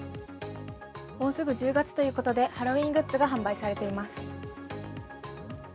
もうすぐ１０月ということでハロウィーングッズが販売されています。